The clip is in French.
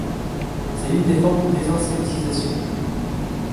C'est une des formes de désinsectisation.